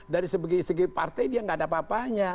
dari segi partai dia nggak ada apa apanya